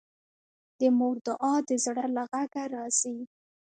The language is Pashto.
د مور دعا د زړه له غږه راځي